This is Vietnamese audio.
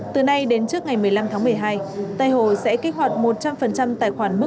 từ nay đến trước ngày một mươi năm tháng một mươi hai tây hồ sẽ kích hoạt một trăm linh tài khoản